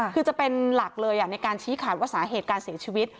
คือจะเป็นหลักเลยในการชี้ขาดว่าสาเหตุการเสียชีวิต